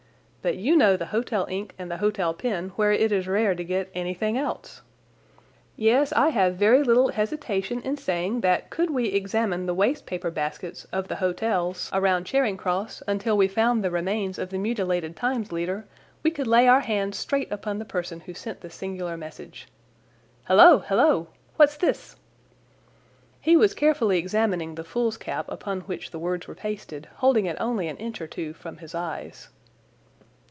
But you know the hotel ink and the hotel pen, where it is rare to get anything else. Yes, I have very little hesitation in saying that could we examine the waste paper baskets of the hotels around Charing Cross until we found the remains of the mutilated Times leader we could lay our hands straight upon the person who sent this singular message. Halloa! Halloa! What's this?" He was carefully examining the foolscap, upon which the words were pasted, holding it only an inch or two from his eyes.